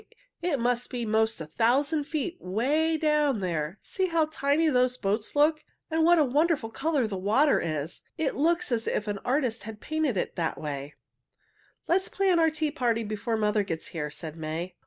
It must be 'most a thousand feet 'way down there! See how tiny those boats look, and what a wonderful color the water is! It looks as if an artist had painted it that way." [Illustration: "What a lovely place for a tea party!"] "Let's plan our tea party before mother gets here," said May.